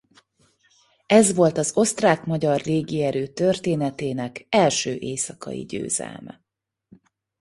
Ez volt az osztrák-magyar légierő történetének első éjszakai győzelme.